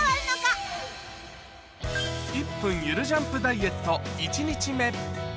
１分ゆるジャンプ・ダイエット